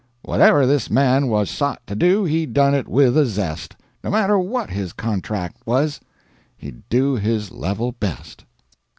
Whate'er this man was sot to do, He done it with a zest; No matter WHAT his contract was, HE'D DO HIS LEVEL BEST.